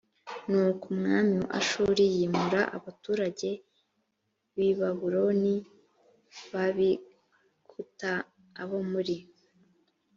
nuko umwami wa ashuri yimura abaturage b i babuloni b ab i kuta abo muri